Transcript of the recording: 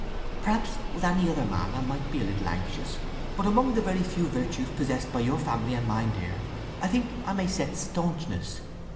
Perhaps with any other man I might be a little anxious; but among the very few virtues possessed by your family and mine, dear, I think I may set staunchness.